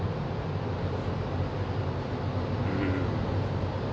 うん。